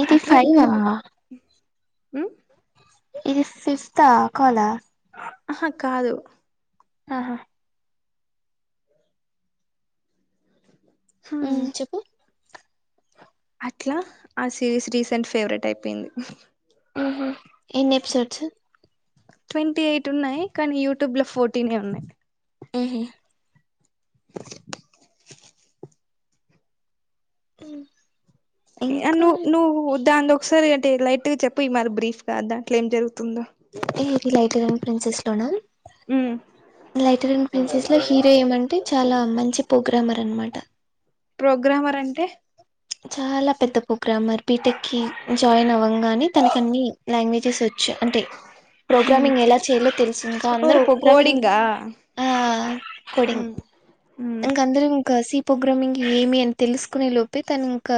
Eighty five ఆ మ్ ఇది ఫిఫ్తా కాలా ఆహా కాదు ఆహా హా చెప్పు అట్లా ఆ సిరీస్ రీసెంట్ ఫేవరెట్ అయిపోయింది మ్ ఎన్ని ఎపిసోడ్స్ ట్వంటీ ఎయిట్ ఉన్నాయి కానీ యూట్యూబ్ లో ఫోర్టీనే ఉన్నాయి ఉంహు ఏ ఇంకా నువ్ నువ్వు దాన్లో ఒకసారి అంటే లైట్ గా చెప్పు ఇ మరి బ్రీఫ్గా దాంట్లో ఏం జరుగుతుందో ఏ ఇది లైటర్న్ ప్రిన్సెస్ లోనా ఉమ్ లైటర్న్ ప్రిన్సెస్ లో హీరో ఏమంటే చాలా మంచి ప్రోగ్రామర్ అన్నమాట. ప్రోగ్రామర్ అంటే? చాలా పెద్ద ప్రోగ్రామర్. బీటెక్ కి జాయిన్ అవ్వంగానే తనక అన్ని లాంగ్వేజెస్ వచ్చు. అంటే ఉమ్ ప్రోగ్రామింగ్ ఎలా చేయాలో తెలుసు ఇంకా ఓ అందరూ ప్రోగ్రామింగ్ కోడింగా ఆ కోడింగ్ ఉమ్ ఉమ్ అందరూ ఇంకా సి ప్రోగ్రామింగ్ ఏమి అని తెలుసుకునే లోపే, తను ఇంకా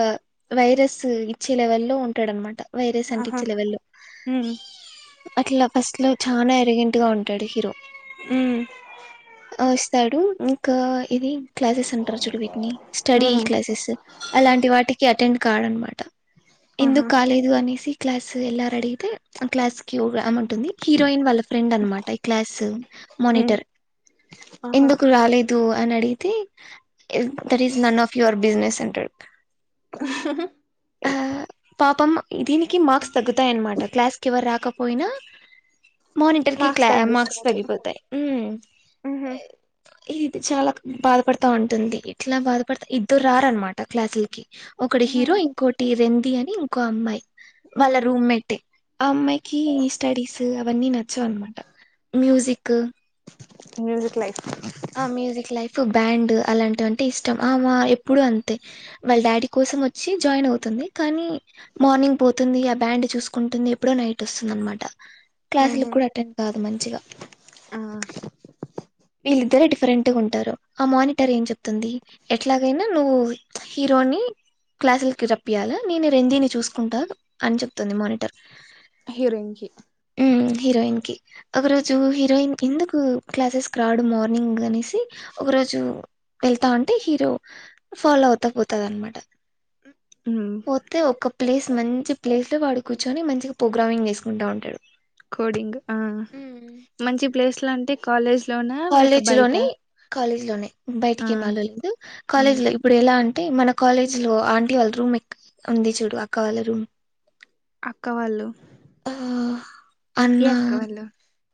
వైరస్ ఇచ్చే లెవెల్ లో ఉంటాడన్నమాట. వైరేస్ ఆహా అంటిచే లెవెల్ లో ఉమ్ అట్లా ఫస్ట్ లో చానా యారోగెంట్ గా ఉంటాడు హీరో ఉమ్ వస్తాడు ఇంకా ఇది క్లాసెస్ అంటారు చూడు వీటిని స్టడీ ఉమ్ క్లాసెస్ అలాంటి వాటికి అటెండ్ కాడు అన్నమాట ఎందు ఆహా కాలేదు అనేసి క్లాస్ వెళ్ళారా అని అడితే ఆ క్లాస్కి ఒక ఆమె ఉంటుంది. హీరోయిన్ వాళ్ళ ఫ్రెండ్ అన్నమాట ఈ క్లాస్ ఉమ్ మానిటర్. ఆహా ఎందుకు రాలేదు? అని అడిగితే that is none of your business అంటాడు. హ్ హి ఆ హి పాపం దీనికి మార్క్స్ తగ్గుతాయన్నమాట క్లాస్ కి ఎవరు రాకపోయినా మానిటర్ కి మార్క్స్ మార్క్స్ తగ్గిస్తారు తగ్గిపోతాయి. చాలా బాధపడతా ఉంటుంది. ఎట్లా బాధపడతా ఇద్దరు రారన్నమాట క్లాసులకి. ఒకటి హీరో ఇంకోటి రెంది అని ఇంకో అమ్మాయి వాళ్ళ రూమ్మేటే. ఆ అమ్మాయికి ఈ స్టడీస్ అవన్నీ నచ్చవు అన్నమాట. మ్యూజిక్ మ్యూజక్ లైఫ్ ఆ మ్యూజిక్ లైఫ్, బ్యాండ్ అలాంటివి అంటే ఇష్టం ఆమె ఎప్పుడు అంతే వాళ్ళ డాడీ కోసం వచ్చి జాయిన్ అవుతుంది. కానీ మార్నింగ్ పోతుంది ఆ బ్యాండ్ చూసుకుంటుంది ఎప్పుడో నైట్ వస్తుంది అన్నమాట. అంట క్లాసులకు కూడా అటెండ్ కాదు మంచిగా ఆ ఇద్దరరూ డిఫరెంట్ గా ఉంటారు. ఆ మానిటర్ ఏం చెప్తుంది ఎట్లాగైనా నువ్వు హీరోని క్లాసులకి రప్పియ్యాలా నేను రెందిని చూసుకుంటా అని చెప్తుంది మానిటర్. హీరోయిన్ కి హీరోయిన్ కి ఒక రోజు హీరోయిన్ ఎందుకు క్లాసెస్ కి రావట్లేదు? ఇప్పుడు మార్నింగ్ అనేసి ఒక రోజు వెళ్తా ఉంటే హీరో ఫాలో అవుతా పోతాది అన్నమాట. [inaudible] పోతే ఒక ప్లేస్ మంచి ప్లేస్ లో వాడు కూర్చొని మంచిగా ప్రోగ్రామింగ్ చేసుకుంటా ఉంటాడు. కోడింగ్. ఆ మంచి ప్లేస్లు లో అంటే కాలేజ్ లోనా లేక కాలేజ్ బయట లోనే ఆ బయటికి ఏమి వెళ్ళ లేదు ఉమ్ కాలేజ్ లో ఇప్పుడు ఎలా అంటే అంటే మన కాలేజ్ లో ఆంటీ వాళ్ళ రూమ్ ఎక్కడ ఉంది చూడు అక్క వాళ్ళ రూమ్ అక్కా వాళ్ళు ఆ ఏ అన్న అక్కా వాళ్ళు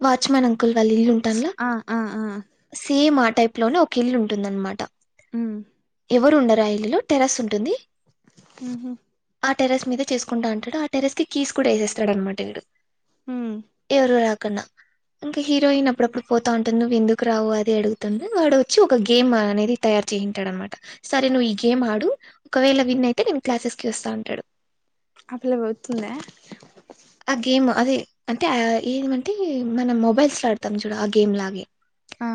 వాచ్మెన్ అంకుల్ వాళ్ళు ఇల్లు ఉంటాన్ లా ఆ ఆ సేమ్ ఆ టైప్ లోనే ఒక ఇల్లు ఉంటుంది అన్నమాట. మ్ ఎవరు ఉండరు ఆ ఇల్లులో టెర్రస్ ఉంటుంది. మ్ హు ఆ టెరెస్ మీద చేసుకుంటా ఉంటాడు. ఆ టెర్రస్ కి కీస్ కూడా వేసేస్తాడు అన్నమాట ఈడు ఉమ్ ఎవరు రాకుండా. ఇంకా హీరోయిన్ అప్పుడప్పుడు పో పోతాఉంటుంది. నువ్వు ఎందుకు రావు అది అడుగుతుంది వాడు వచ్చి ఒక గేమ్ అనేది తయారు చేసుంటాడు అన్నమాట. సరే నువ్వు ఈ గేమ్ ఆడు ఒకవేళ విన్ అయితే నేను క్లాసెస్ కి వస్తా అంటాడు. అ పిల్ల వర్త్ ఉందా? ఆ గేమ్ అదే అంటే ఏమంటే మనం మొబైల్స్ లోలాడతాం చూడు ఆ గేమ్ లాగే ఆ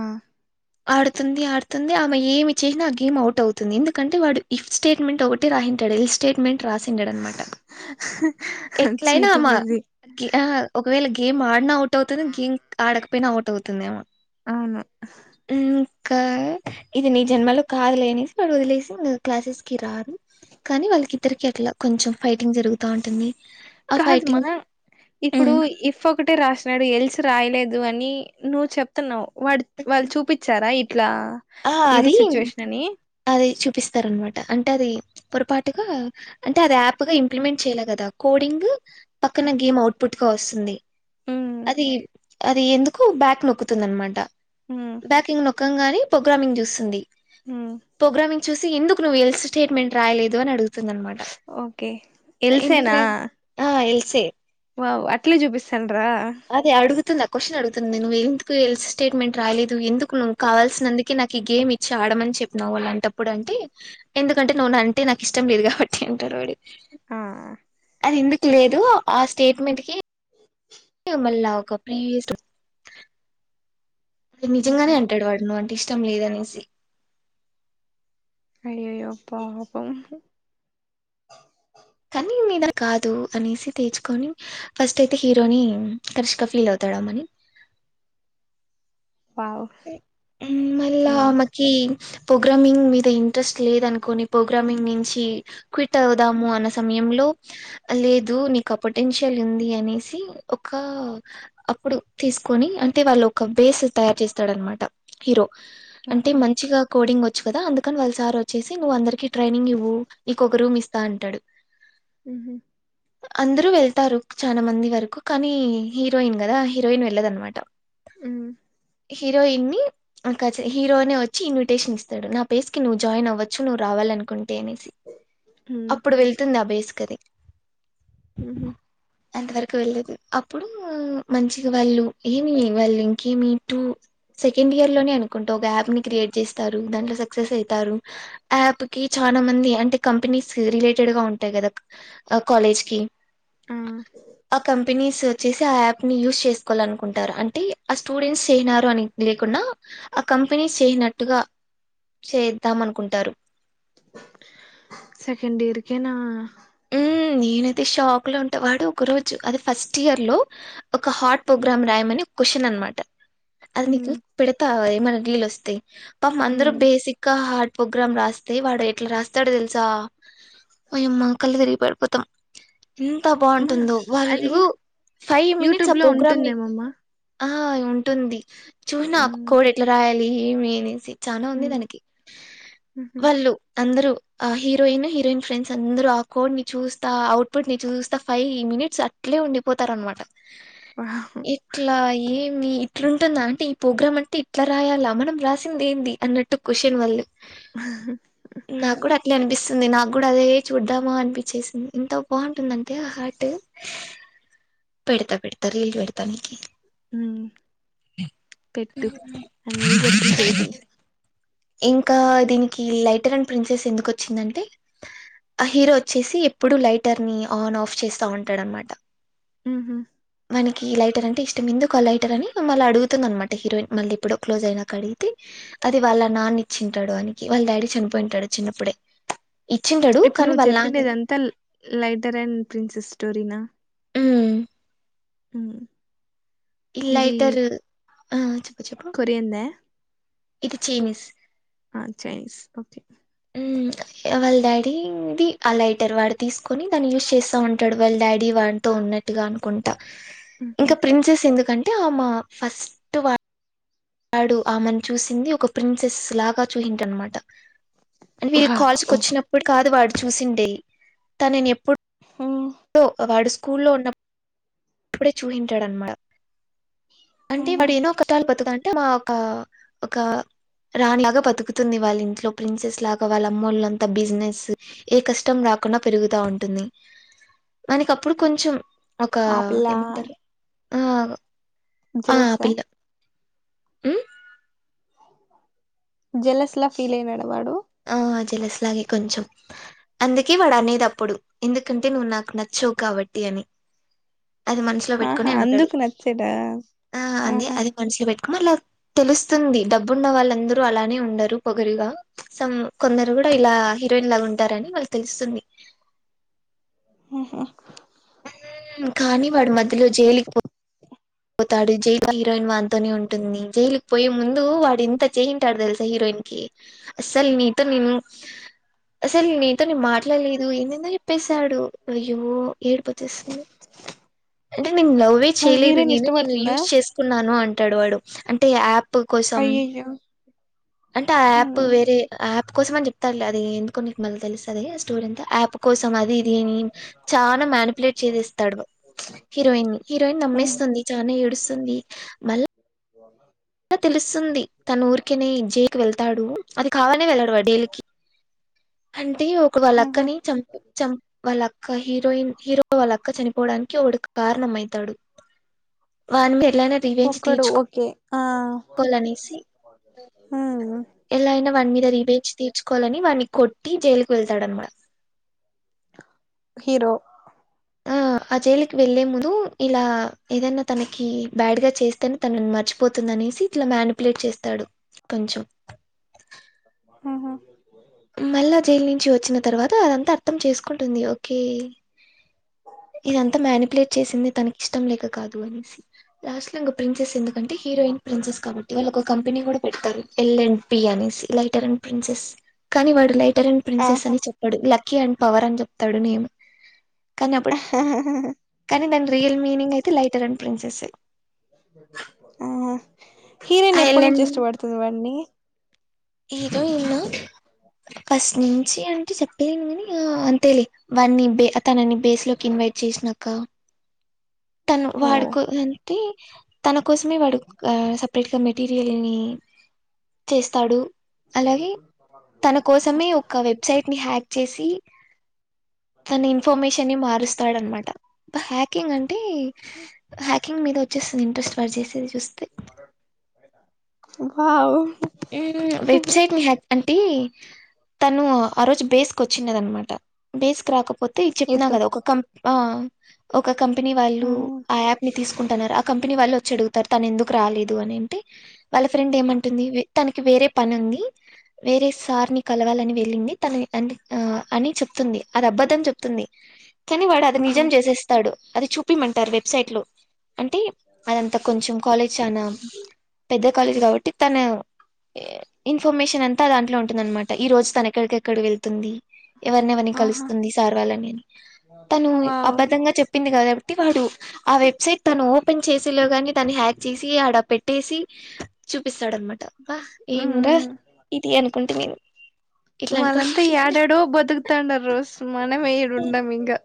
ఆడుతుంది ఆడుతుంది ఆమె ఏమి చేసినా ఆ గేమ్ అవుట్ అవుతుంది. ఎందుకంటే వాడు ఇఫ్ స్టేట్మెంట్ ఒకటి రాసి ఇఫ్ స్టేట్మెంట్ రాసింటాడు అన్నమాట ఎట్లయినా చీటింగ్ ఆమె ఇది ఒకవేళ గేమ్ ఆడినా అవుట్ అవుతుంది గేమ్ ఆడకపోయినా అవుట్ అవుతుంది ఆమె అవును ఇక ఇది నీ జన్మలో కాదులే అనేసి వాళ్ళు వదిలేసి క్లాసెస్ కి రారు. కానీ వాళ్ళకి ఇద్దరికి ఇట్లా కొంచెం ఫైటింగ్ జరుగుతా ఉంటుంది. ఆ కాదుమా ఫైటింగ్ ఇప్పుడు ఉమ్ ఇప్ ఒకటే రాసినాడు ఎల్స్ రాయలేదు అని నువ్వు చెప్తున్నావ్ వాళ్ళు చూపించారా? ఇట్లా ఆ ఇది అది సిచ్యుయేషన్ అని. అది చూపిస్తారు అన్నమాట అంటే అది పొరపాటుగా అంటే అది యాప్ గా ఇంప్లిమెంట్ చేయలే కదా కోడింగ్ పక్కన గేమ్ అవుట్ పుట్ గా వస్తుంది ఉమ్ అది ఎందుకో బ్యాక్ నొక్కుతుంది అన్నమాట. ఉమ్ బ్యాకింగ్ నొక్క ని ప్రోగ్రామింగ్ చూస్తుంది. ఉమ్ ప్రోగ్రామింగ్ చూసి ఎందుకునువు ఎల్స్ స్టేట్మెంట్ రాయేదు అని అడుగుతుంది. అన్నమాట. ఓకే ఎందుకు ఎల్సేనా రాయలేదు వావ్ అట్లే జుపిస్తారు. అది అడుగుతుంది. క్వశ్చన్ అడుతుంది నువ్వు ఎందుకు ఎల్స్ స్టేట్మెంట్ రాయలేదు ఎందుకు నువ్వు కావల్సినందుకే నాకు ఈ గేమ్ ఇచ్చి ఆడమని చెప్పినావు. అలాంటప్పుడు అంటే ఎందుకంటే నువ్వు అంటే నాకు ఇష్టం లేదు కాబట్టి అంటాడు వాడు. ఆ అది ఎందుకు లేదు ఆ స్టేట్మెంట్ కి అ మళ్ళా క ప్లేస్డ్ అ నిజంగానే అంటాడు వాడు నువ్వు అంటే ఇష్టం లేదనేసి అయ్యయ్యో పాపం కానీ మీద కాదు అనేసి తెేచ్చుకొని ఫస్ట్ అయితే హీరోని కరిష్క ఫీల్ అవుతారు. రామని [inaudible] వావ్ మళ్ళా ఉహు ఆమెకి ప్రోగ్రామింగ్ మీద ఇంట్రెస్ట్ లేదు అనుకుని ప్రోగ్రామింగ్ నుంచి క్విట్ అవుదాము అన్న సమయంలో లేదు నీకు పొటెన్షియల్ ఉంది అనేసి ఒక అప్పుడు తీసుకొని అంటే వాళ్ళు ఒక బేస్ తయారు చేసి రన్నమాట హీరో అంటే ఉహు మంచిగా కోడింగ్ వచ్చు కదా అందుకని వాళ్ళ సార్ వచ్చేసి నువ్వు అందరికి ట్రైనింగ్ ఇవ్వు ఇక ఒక రూమ్ ఇస్తా అంటాడు. హ్మ్ అందరూ వెళ్తారు చాలా మంది వరకు కానీ హీరోయిన్ కదా హీరోయిన్ వెళ్ళదన్నమాట. మ్ హీరోయిన్ ని హీరోనే వచ్చి ఇన్విటేషన్ ఇస్తాడు నా పేస్ కి నువ్వు జాయిన్ అవ్వచ్చు నువ్వు రావాలనుకుంటే. అనేసి ఉమ్ అప్పుడు వెళ్తుంది అభేస్కది హు హూ అంతవరకు వెళ్ళదు అప్పుడూ మంచిగ వాళ్ళు ఏమి వాళ్ళు ఇంకేమి టూ సెకండ్ ఇయర్ లోనే అనుకుంట ఒక యాప్ ని క్రియేట్ చేస్తారు దాంట్లో సక్సెస్ అయి టరు యా ప్ కి చాల మంది అంటే కంపెనీస్ రిలేటెడ్ గా ఉంటాయి కదా కాలేజ్ కి ఆ అ కం పెనీస్ వచ్చేసి ఆ యాప్ ని యూస్ చేసుకోవాలనుకుంటారు అంటే ఆ స్టూడెంట్స్ చేయినారు అని లేకుండా ఆ కంపెనీస్ చేయనట్టుగా చేద్దాం అనుకుంటారు సెకండ్ ఇయర్కేనా ఉ నేనైతే షాక్ లో ఉంటే వాడు ఒక రోజు అది ఫస్ట్ ఇయర్ లో ఒక హాట్ ప్రోగ్రామ్ రాయమని క్వషన్ అన్మాట అది ఉమ్ నీకు పెడతావా మనకు లీళ్లు వస్తే పాపం ఉమ్ అందరు బేసిక్గా హా ప్రోగ్రాం రాస్తే వాడు ఎట్ల రాస్తాడో తెలుసా ఒయమ్మ కళ్ళు తిరిగి పడిపోతాం ఎంత అమ్మా బాగుంటుందో అది వాళ్ళు ఫైవ్ మినిట్స్ ఆ యూట్యూబ్ లో ప్రోగ్రామ్ని ఉంటుందేమమ్మా ఆ ఉంటుంది చూన ఉమ్ కోడ్ ఎట్ల రాయాలి ఏమి అనేసి చానా ఉంది ఉమ్ దానికి ఉహు వాళ్ళు అందరూ ఆ హిరోయిన్ హీరోయిన్ ఫ్రెండ్స్ అందరూ ఆ కోడ్ ని చూస్తా అవుట్ పుట్ ని చూస్తా ఫైవ్ మినిట్స్ అట్లే ఉండిపోతారనమాట వావ్ ఇట్లా ఈ ఇట్లుంటుందా అంటే ఈ ప్రోగ్రామ్ అంటే ఇట్ల రాయాల మనం రాసింది ఏంది అన్నట్టు క్వషన్ వాళ్ళు నా క్కూడ అట్లా అనిపిస్తుంది నాక్కూడ అదే చూడ ద్దామా అనిపించేసింది ఎంత బాగుంటుందంటే ఆ హాట్ పెడత పెడత రీల్ పెడతా పెట్టు అ మీ గట్టు వేయిటింగ్ ఇంకా దీనికి లైటర్ అండ్ ప్రిన్సెస్ ఎందుకు వచ్చిందంటే ఆ హీరో వచ్చేసి ఎప్పుడుూ లైటర్ని ఆన్ ఆఫ్ చేస్తా ఉంటాడనమాట ఊహు మనకి లైటర్ అంటే ఇష్టం ఎందుకు ఆలైటర్ అని మళ్ళ అడుగుతుంది అనమాట హీరోయిన్ మళ్ళీ ఎప్పుడు క్లోజ్ అయినాక అడిగితే అది వాళ్ళ నాన్న ఇచ్చింటాడు అందుకే వాళ్ళ డాడీ చనిపోయింటాడు చిన్నప్పుడే ఇచ్చింటడు ఇప్పుడు కానీ నువ్వు వాళ్ళ నాన్న చెప్పిండేదంతల్ లైటర్ అండ్ ప్రిన్సెస్ స్టోరీనా మ్మ్ హు లైటర్ ఆ చెప్ కొరియందా ఇది చైైనీస్ ఆ చైనీస్ ఓకే ఎవల్ డాడీ ఇది ఆ లైటర్ వాడు తీసుకొని దాన్ని యూజ్ చేస్తా ఉంటాడు వాళ్ళ డాడీ దాంతో ఉన్నట్టుగా అనుకుంటా ఉహు ఇంక ప్రింసెస్ ఎందుకంటే ఆమ ఫస్ట్ వా వాడు ఆమెను చూసింది ఒక ప్రిన్సెస్ లాగ చూసిండనమాట వీళ్ళు వావ్ కాలేజ్కి వచ్చినప్పుడు కాదు వాడ్ చూసిండే తను నేను ఎప్పుడు ఉహు అో వాడు స్కూల్లో ఉన్నప్పుడే చూసిండనమాట అంటే ఉహు వాడు ఎన్నో కష్టాలు పడుతుందె అంటే మా ఒక ఒక రానిలాగ బతుకుతుంది వాళ్ళ ఇంట్లో ప్రిన్సెస్ లాగ వాళ్ళ అమ్మ వాళ్ళంతా బిజినెస్ ఏ కష్టం రాక్ త కున్న పెరుగుతా ఉంటుంది మనకప్పుడు కొంచెం ఒకా ఆ పిల్ల ఏమంటారు ఆ ఆ జల్సా పిల్ల ఉమ్ జెలస్లా ఫీల్ అయినాడు వాడు ఆ జలస్లాగే కొంచం అందుకే వాడు అనేది అప్పుడు ఎందుకంటే నువ్వు నాకు నచ్చ జోక్ కాబట్టి అని అది మనిషి ఇంట్లో ఆహా పట్టుకొని అంటాడు అందుకు నచ్చడా ఆ అందిే ఆహా అది మనుషలో పెట్టుకోన్ మరిలా తెలుస్తుంది డబ్బున్న వాళ్ళందరూ అలానే ఉండరు పొగరుగా సమ్ కొందరు కూడ ఇలా హీరోయిన్ లాగ ఉంటారని వాళ్ళకి తెలుస్తుంది ఆహ కానీ వాడు మధ్యలో జైలుకి పో పోతాడు జైలు హీరోయిన్ వాంతోనే ఉంటుంది జైలుకి పోయే ముందు వాడు ఇంత చేయింటాడు తెలుసా హీరోయిన్ ఇన్కి అస్సలు నీతో నేను అసలు నీతోన్ మాట్లాడలేదు ఏమందో చెప్పసాడు అయ్యో ఏడ్ పొచ్చేసింది. అంటే నేను లవే మళ్ళ చేయలేదు హీరోయిన్ నేను నేను ఇష్టపడుతుందా యూజ్ చేసుకున్నాను అంటాడు వాడు అంటే యాప్ ప్ కోసం అయ్యయ్యో అంటే యాప్ హ్మ్ వేరే యాప్ కోసం అని చెప్తారులే అది ఎందుకు నీకు మ తెలుస్తు అది స్టోర్ అంత యాప్ కోసం అది దీని చాల మ్యానిపులేట్ చేసేస్తాడు హీరోయిన్ హీరోయిన్ హ్మ్ నమ్మేస్తుంది చాన ఏడుస్తుంది మళ్ అలా తెలుస్తుంది తన ఊరికెనే జయకి వెళ్తాడు అది కావనే వెళ్ళడు వడేల్కి అంటే ఒక వాళ్ళ ఆహా అక్కని చం చం వాళ్ళక్క హీరోయిన్ హీరో వాళ్ళక్క చనిపోవడానికి వాడు కారణం అయితాడు వాందె ఇలానే రివెజ్ ఒక్కడు తీర్చుకో ఓకే ఆ కోలనేసి హ్మ్ ఎలా అయిన వాని మీద రివేంజ్ తీర్చుకోవాలని వాన్ని కొట్టి జైలుకి వెళ్తాడనమాట హీరొ ఆ ఆ జైలుకి వెళ్లే ముందు ఇలా ఏదైన తనకి బ్యాడ్గా చేస్తేనే తను మర్చిపోతుందని సీట్ల మనిపులేట్ చేస్తాడు కొంచం ఆహ మళ్ళా జైల్ నుంచి వచ్చిన తర్వాత అదంతా అర్థం చేసుకుంటుంది ఓకే ఇదంత మ్యానిపులేట్ చేసింది తనకి ఇష్టం లేక కాదు అనేసి లాస్ట్లో ఇంక ప్రిన్సెస్ ఎందుకంటే హీరోయిన్ ప్రిన్సెస్ కాబట్టి వాళ్ళు ఒక కంపెనీ కూడ పెడతారు ఎల్ అండ్ పి అని లైటర్ అండ్ ప్రిన్సెస్ కానీ వాడు లైట్ టర్ ప్రిన్సెస్ ఆహా అని చెప్పాడు లక్కీ అండ్ పవర్ అని చెప్తాడు నే కానీ అప్పుడు కానీ దాని రియల్ మీనింగ్ అయితే లైటర్ అండ్ ప్రిన్సెస్ ఆహ హీరోయిన్ ఆ ఎల్ ఎప్పటి నుంచి ఇష్టపడుతుంది వాడిని హీరోయిన్ ఫస్ట్ నుంచి అంటే చెప్పలేను ని అంతే వాని బే అతనని బేస్ లో క యాడ్ చేసినాక తను ఓ వాడుకో అంటే తన కోసమే వాడు సపరేట్గా పెట్ బిరియాని చేస్తడు అలాగే తన కోసమే ఒక వెబ్సైట్ ని హ్యాక్ చేసి తన ఇన్ఫర్మేషన్ ని మారుస్తాడ అన్ మాట బ హ్యాకింగ్ అంట్ అంటే హ్యాకింగ్ మీద వచ్చేసి ఇంట్రెస్ట్ పరి చేేసే ది చూసి ఇంకావు ఉమ్ వెబ్సై అయిట్ ని హ్యాక్ అంటే తను ఆ రోజు బేస్కు వచ్చిఉన్నది అన్నమాట బేస్కు రాకపోతే తి చెప్పిన ఎత్తు కదా ఒకో ఒక్క ఆ ఒక కంపెనీ వాళ్ళు ఆ యాప్ ని తీసుకుంట ఉన్నారు ఆ కంపెనీ వాళ్ళు వచ్చి అడుగుతారు తను ఎందుకు రాలేదు అని ఏంటి వాళ్ళ ఫ్రెండ్ ఏమఅంటుంది వేత్తానికి వేరే పని ఉంది వేరే సార్ని కలవాలఅని వే వెళ్ళింది తన అండ్ ఆ అని చెప్తుంది అది అబద్ధం చెప్తుంది కానీ వాడు అది ఆ నిజం చేసేస్తాడు అది చూపిమంటారు వెబ్సైట్ లో అంటే అదంతా కొంచెం కాలేజ్ చనా పెద్ద కాలేజ్ కాబట్టి తన ఇన్ఫర్మేషన్ అంతా దాంట్లో ఉంటుంది అన్నమాట ఈ రోజు తన ఎక్కడికెక్కడ వెళ్తుంది ఎవరిని ఎవరిని ఆహా కలుస్తుంది సార్ వాళ్ళని అని తను వావ్ అబద్ధంగా చెప్పింది కదా పెట్టి వాడు ఆ వెబ్సైట్ తను ఓపెన్ చేసే లోగాని తాన్ని హ్యాక్ చేసి అడ పెట్టేసి చూపిస్తాడనమాట అబ్బ ఏమురా ఇది అనుకుంటే నేను వాళ్ళ ఇట్లాంటి అంతా యాడ్ యాడో బతుకుతా ఉండారు సో మనమే ఈడుండమ్ ఇంకా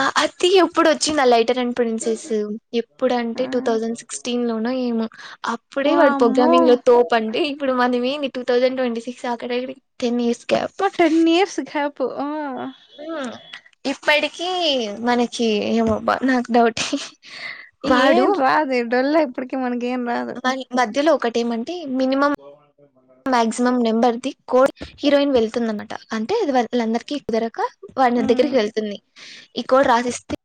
ఆ అద్ధి అప్పుడు వచ్చింద లైట్ టేన్ అనడ్ ప్రిన్సెస్ ఎప్పుడు ఆ అంటే టూ థౌసండ్ సిక్స్టీన్ లోన ఏమో అప్పుడే వాడు వామ్మో పోగాఆకు లో తోపట్టి ఇప్పుడు మనమేమీ టూ థౌజండ్ ట్వంటీ సిక్స్ అక్కడ టెన్ ఇయర్స్ గ్యాప్ మా టెన్ ఇయర్స్ క్యాపు ఆ ఇప్పటికి మనకి ఏమో అబ్బా నాకు డౌట్ ఏం రాదే ఇప్పుడుఅల్లా ఇప్పుడుకి మనకి ఏం రాదు మని మధ్యలో ఒకటి ఏమ అంటే మినిమం మాక్సిమం నెంబర్ ది కోడీ హీరోయిన్ వెళ్తు ఉంది అనమాట అంటే ఇదివర్క్ అందరికీదొరక్కా వాడిని దగ్గరికి వెళ్తుఉంని ఈ క్కోడ్ రాసి ఇస్తే